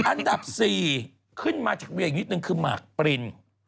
อันดับ๔ขึ้นมาจากเวียอีกนิดนึงคือหมากปริน